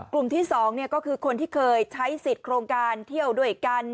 กลุ่มที่๒ก็คือคนที่เคยใช้สิทธิ์โครงการเที่ยวด้วยกัน